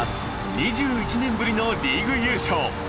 ２１年ぶりのリーグ優勝。